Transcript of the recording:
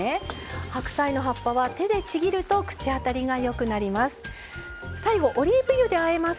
白菜の葉っぱは手で、ちぎると口当たりがよくなります。